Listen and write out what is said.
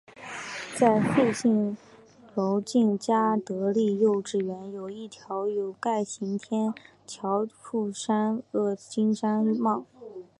在富信楼近嘉德丽幼稚园有一条有盖行人天桥连接富山邨及琼山苑。